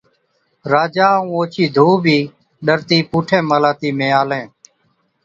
راجا ائُون اوڇِي ڌُو بِي ڏَرتِي پُوٺين محلاتِي ۾ آلين۔